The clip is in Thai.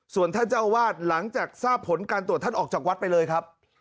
ส่วนท่านเจ้าอาวาสหลังจากทราบผลการตรวจท่านออกจากวัดไปเลยครับ